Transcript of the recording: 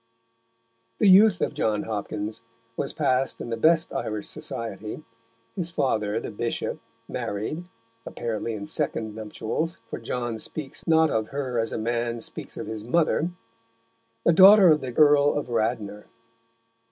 The youth of John Hopkins was passed in the best Irish society. His father, the Bishop, married apparently in second nuptials, for John speaks not of her as a man speaks of his mother the daughter of the Earl of Radnor.